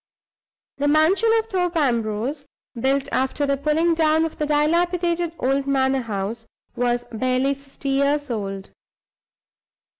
The mansion of Thorpe Ambrose (built after the pulling down of the dilapidated old manor house) was barely fifty years old.